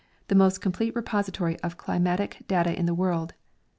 95 the most complete repository of climatic data in the world.